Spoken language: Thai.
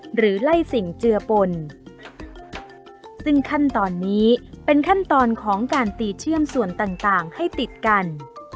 หรือไล่สิ่งเจือปนซึ่งขั้นตอนนี้เป็นขั้นตอนของการตีเชื่อมส่วนต่างให้ติดกัน